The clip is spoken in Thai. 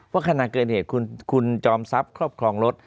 ขณะเกิดเหตุคุณจอมทรัพย์ครอบครองรถ